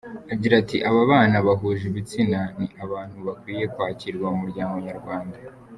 Agira ati “Ababana bahuje ibitsina ni abantu bakwiye kwakirwa mu muryango nyarwanda.